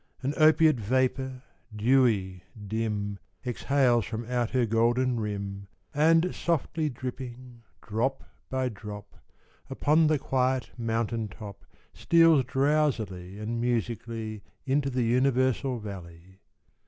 An opiate vapor, dewy, dim, Exhales from out her golden rim, And, softly dripping, drop by drop, Upon the quiet mountain top, Steals drowsily and musically Into the universal valley.